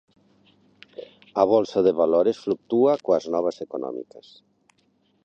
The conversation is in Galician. A bolsa de valores fluctúa coas novas económicas.